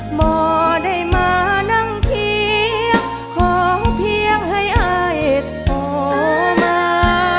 หมอได้มานั่งเคียงขอเพียงให้อายต่อมา